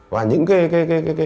và những cái